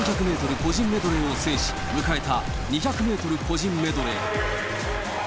個人メドレーを制し、迎えた２００メートル個人メドレー。